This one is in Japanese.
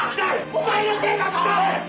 お前のせいだぞ！